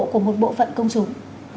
của một bộ phận công chúng